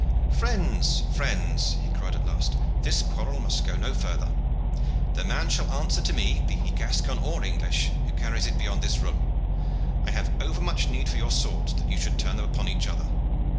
"Friends, friends!" he cried at last, "this quarrel must go no further. The man shall answer to me, be he Gascon or English, who carries it beyond this room. I have overmuch need for your swords that you should turn them upon each other.